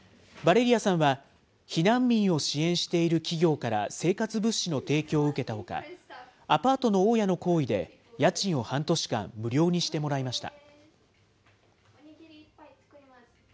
ヴァレリヤさんは、避難民を支援している企業から生活物資の影響を受けたほか、アパートの大家の厚意で家賃を半年間、無料にしてもらいました。